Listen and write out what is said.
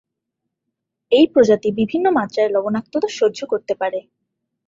এই প্রজাতি বিভিন্ন মাত্রায় লবণাক্ততা সহ্য করতে পারে।